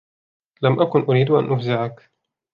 لم أكن أريد أن أفزعك.